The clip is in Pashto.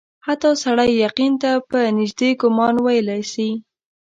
حتی سړی یقین ته په نیژدې ګومان ویلای سي.